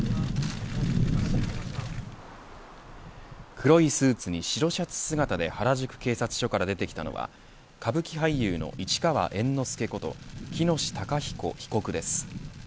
黒いスーツに、白シャツ姿で原宿警察署から出てきたのは歌舞伎俳優の市川猿之助こと喜熨斗孝彦被告です。